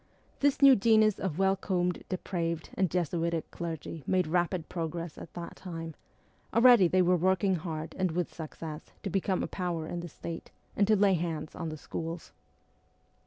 This new genus of well combed, depraved, and Jesuitic clergy made rapid progress at that time ; already they were working hard and with success to become a power in the State and to lay hands on the schools.